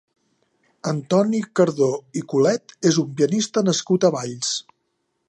Antoni Cardó i Colet és un pianista nascut a Valls.